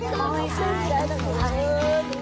เก็บเงิน